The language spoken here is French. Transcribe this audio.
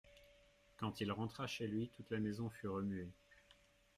Quand il rentra chez lui, toute la maison fut remuée.